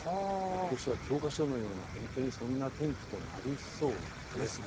ことしは教科書のような本当にそんな天気となりそうです。